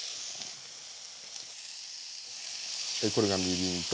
これがみりんと。